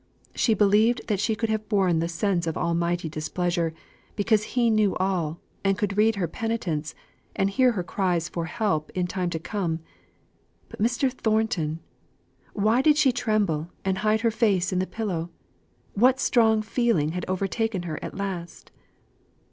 She believed that she could have borne the sense of Almighty displeasure, because He knew all, and could read her penitence, and hear her cries for help in time to come. But Mr. Thornton why did she tremble, and hide her face in the pillow? What strong feeling had overtaken her at last?